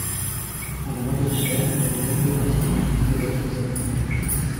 À la mort de son père, il est élevé par son oncle, évêque d'Auxerre.